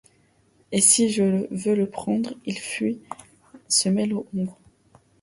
Et, si je veux le prendre, il fuit, se mêle aux ombres